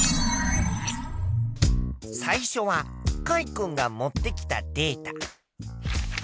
最初はカイ君が持ってきたデータ。